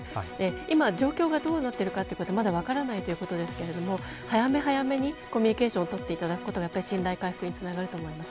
今状況がどうなっているかまだ分からないということですが早め早めにコミュニケーションを取ることが信頼関係につながると思います。